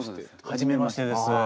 初めましてです。